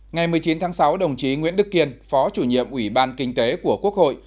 ngày một mươi chín tháng sáu đồng chí nguyễn đức kiên phó chủ nhiệm ủy ban kinh tế của quốc hội